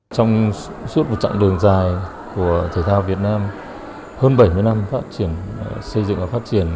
trong suốt một chặng đường dài của thể thao việt nam hơn bảy mươi năm phát triển xây dựng và phát triển